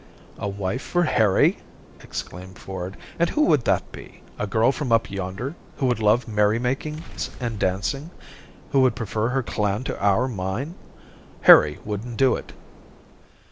"A wife for Harry," exclaimed Ford. "And who would it be? A girl from up yonder, who would love merry makings and dancing, who would prefer her clan to our mine! Harry wouldn't do it!"